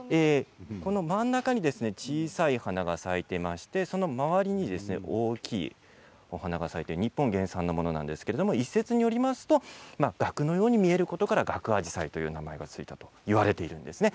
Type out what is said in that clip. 真ん中に小さい花が咲いていまして、その周りに大きいお花が咲いて日本原産のものなんですけど一説によりますと額のように見えることからガクアジサイという名前が付いたといわれているんですね。